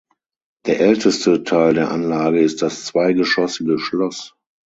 Der älteste Teil der Anlage ist das zweigeschossige Schloss.